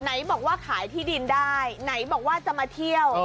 ไหนบอกว่าขายที่ดินได้ไหนบอกว่าจะมาเที่ยว